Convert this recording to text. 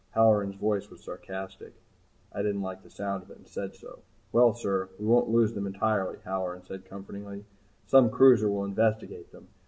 Halloran's voice was sarcastic. I didn't like the sound of it, and said so. "Well, sir we won't lose them entirely," Halloran said comfortingly. "Some cruiser will investigate them.